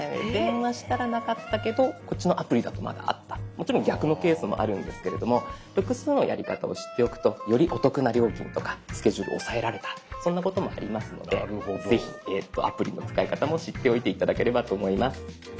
もちろん逆のケースもあるんですけれども複数のやり方を知っておくとよりお得な料金とかスケジュール押さえられたそんなこともありますのでぜひアプリの使い方も知っておいて頂ければと思います。